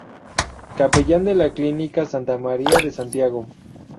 Capellán de la Clínica Santa María de Santiago.